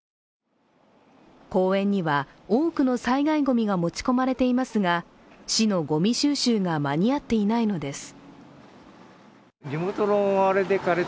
公園には多くの災害ごみが持ち込まれていますが、市のごみ収集が間に合っていないのです。